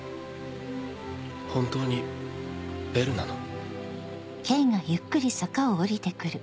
本当にベルなの？